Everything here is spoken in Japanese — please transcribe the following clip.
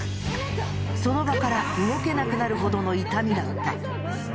その場から動けなくなるほどの痛みだった。